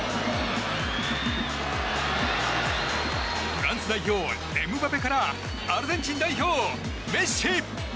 フランス代表、エムバペからアルゼンチン代表、メッシ。